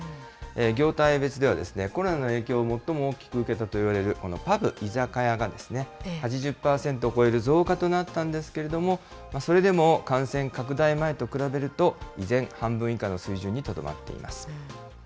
業態別ではコロナの影響を最も大きく受けたといわれるパブ・居酒屋が８０％を超える増加となったんですけれども、それでも感染拡大前と比べると、依然、半分以下の水準にとどまっています。